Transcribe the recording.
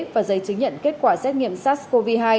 và giấy chứng nhận kết quả xét nghiệm sars cov hai